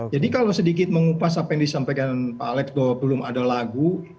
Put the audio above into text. jadi kalau sedikit mengupas apa yang disampaikan pak alex bahwa belum ada lagu